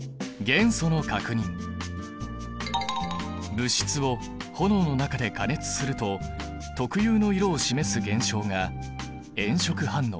物質を炎の中で加熱すると特有の色を示す現象が炎色反応。